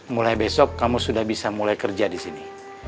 mulai besok kamu sudah bisa mulai kerja di sini